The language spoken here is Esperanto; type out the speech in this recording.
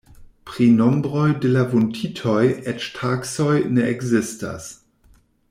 Pri nombroj de la vunditoj eĉ taksoj ne ekzistas.